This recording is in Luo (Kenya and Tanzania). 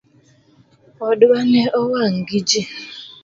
Odwa ne owang gi jii